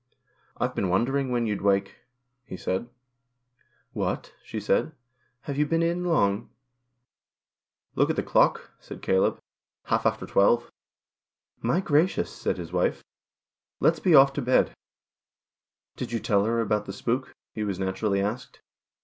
" I've been wondering when you'd wake," he said. 1S6 GHOST TiXES. " What?" she said, " Have you been in long ?' "Look at the clock," said Caleb. "Half after twelve." " My gracious," said his wife. " Let's be off to bed." " Did you tell her about the spook ?" he was naturally asked.